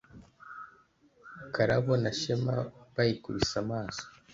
karabo na shema bayikubise amaso,